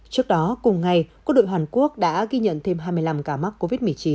trước đó cùng ngày quốc đội hàn quốc đã ghi nhận thêm hai mươi năm ca mắc covid một mươi chín